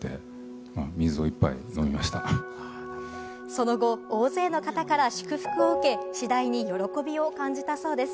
その後、大勢の方から祝福を受け、次第に喜びを感じたそうです。